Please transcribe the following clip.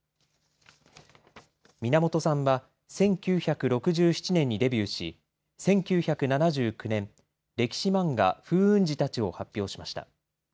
みなもとさんは１９６７年にデビューし１９７９年、歴史漫画、風雲児たちを発表しました。